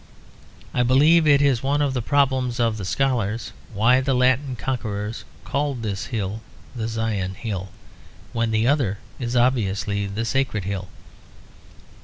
I believe it is one of the problems of the scholars why the Latin conquerors called this hill the Zion Hill, when the other is obviously the sacred hill.